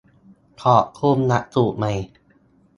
ขอบคุณหลักสูตรใหม่